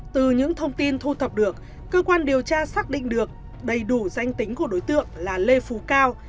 từ những thông tin thu thập được cơ quan điều tra xác định được đầy đủ danh tính của đối tượng là lê phú cao